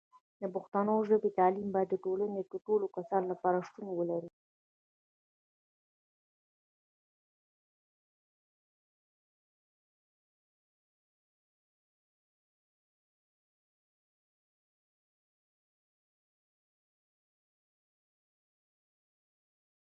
د پښتو ژبې تعلیم باید د ټولنې د ټولو کسانو لپاره شتون ولري.